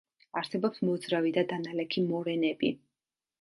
არსებობს მოძრავი და დანალექი მორენები.